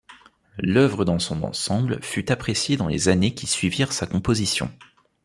L'œuvre dans son ensemble fut appréciée dans les années qui suivirent sa composition.